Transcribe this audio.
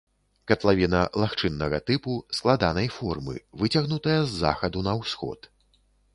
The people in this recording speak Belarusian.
Катлавіна лагчыннага тыпу, складанай формы, выцягнутая з захаду на ўсход.